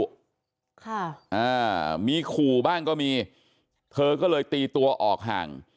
ค่ะอ่ามีขู่บ้างก็มีเธอก็เลยตีตัวออกห่าง